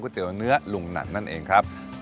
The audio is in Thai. ก็เลยเริ่มต้นจากเป็นคนรักเส้น